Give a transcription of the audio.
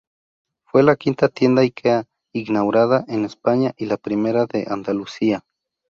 Fue la quinta tienda Ikea inaugurada en España y la primera de Andalucía.